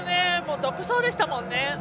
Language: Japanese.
独走でしたもんね。